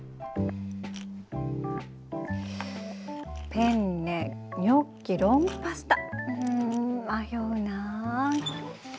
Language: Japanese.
ペンネニョッキロングパスタうん迷うなあ。